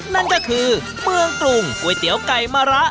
นั่นก็คือเมืองกรุงก๋วยเตี๋ยวไก่มะระ